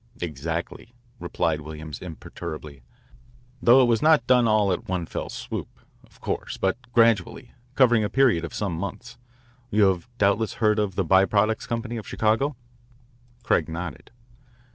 "Exactly," replied Williams imperturbably, "though it was not done all at one fell swoop, of course, but gradually, covering a period of some months. You have doubtless heard of the By Products Company of Chicago?" Craig nodded.